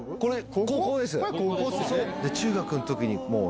高校です。